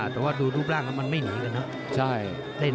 แต่ดูรูปร่างเราก็มันไม่หยิงกันเอง